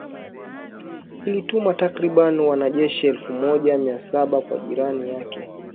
Ilituma takribani wanajeshi elfu moja mia saba kwa jirani yake